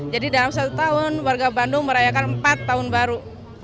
jadi dalam satu tahun warga bandung merayakan empat tahun baru